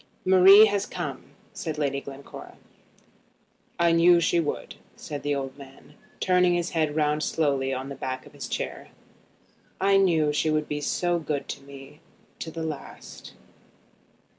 "Marie has come," said Lady Glencora. "I knew she would come," said the old man, turning his head round slowly on the back of his chair. "I knew she would be good to me to the last."